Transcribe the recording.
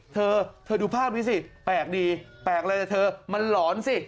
เธอเธอดูภาพนี้สิแปลกดีแปลกอะไรแต่เธอมันหลอนสิ